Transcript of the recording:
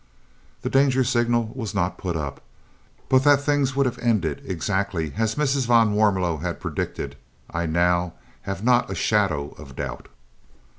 The danger signal was not put up, but that things would have ended exactly as Mrs. van Warmelo predicted I now have not a shadow of doubt.